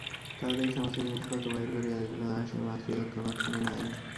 তাড়াতাড়ি সমস্ত জিনিসপত্র বাহির করিয়া দেখিল তাহার সেই মাতৃদত্ত নোটখানি নাই।